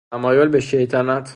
تمایل به شیطنت